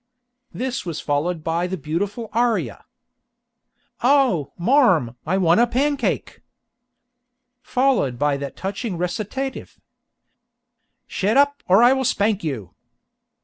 This is followed by the beautiful aria: "O! marm, I want a pancake!" Followed by that touching recitative: "Shet up, or I will spank you!"